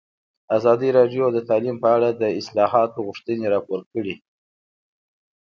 ازادي راډیو د تعلیم په اړه د اصلاحاتو غوښتنې راپور کړې.